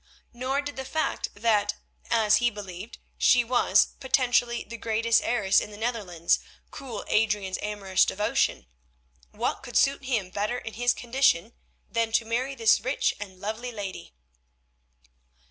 Nor did the fact that, as he believed, she was, potentially, the greatest heiress in the Netherlands, cool Adrian's amorous devotion. What could suit him better in his condition, than to marry this rich and lovely lady?